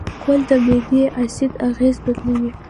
غول د معدې د اسید اغېز بدلوي.